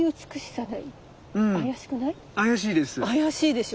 妖しいです。